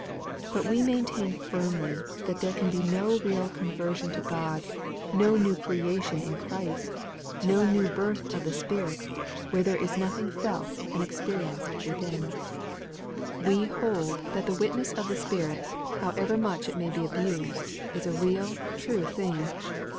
But we maintain firmly that there can be no real conver sion to God, no new creation in Christ, no new birth of the Spirit, where there is nothing felt and experienced within. We EVANGELICAL EELIGIOX. 7 hold that the witness of the Spirit, however much it may be abused, is a real, true thing.